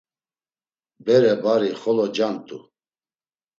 Bere bari xolo cant̆u.